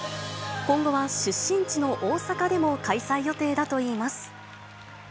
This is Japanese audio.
今後は出身地の大阪でも、開催予定だといいます。